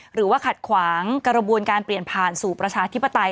หรือว่าขัดขวางกระบวนการเปลี่ยนผ่านสู่ประชาธิปไตย